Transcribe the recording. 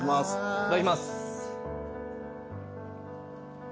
いただきます。